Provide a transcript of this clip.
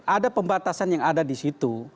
ada pembatasan yang ada di situ